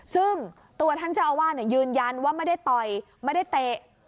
ซึ่งตัวท่านเจ้าอาวาสยืนยันว่าไม่ได้ต่อยไม่ได้เตะ